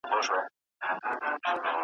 ړنګول مي معبدونه هغه نه یم .